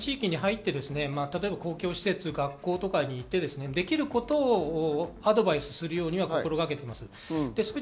そのために地域に入って公共施設、学校とかに行ってできることをアドバイスするように心がけています。